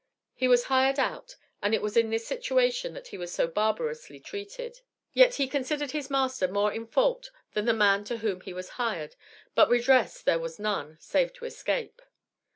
He was hired out, and it was in this situation that he was so barbarously treated. Yet he considered his master more in fault than the man to whom he was hired, but redress there was none, save to escape.